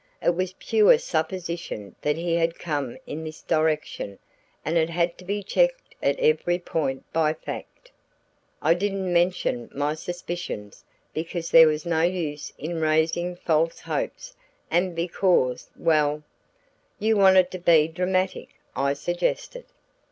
It was pure supposition that he had come in this direction and it had to be checked at every point by fact. I didn't mention my suspicions because there was no use in raising false hopes and because, well " "You wanted to be dramatic," I suggested.